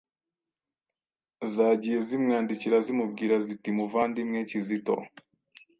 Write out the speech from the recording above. zagiye zimwandikira zimubwira ziti: "Muvandimwe Kizito,